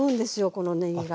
このねぎが。